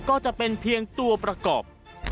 การทราบ๖๔